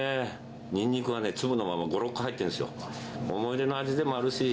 ニンニクがね、粒のまま５、６個入ってるんですよ。